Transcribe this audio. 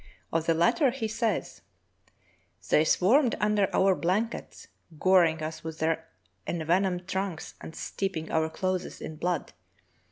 Of the latter he says: "They swarmed under our blankets, goring us with their envenomed trunks and steeping our clothes in blood.